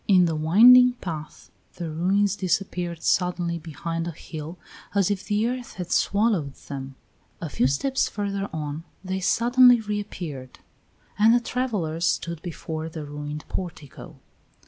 In the winding path the ruins disappeared suddenly behind a hill, as if the earth had swallowed them; a few steps further on they suddenly reappeared; and the travellers stood before the ruined portico.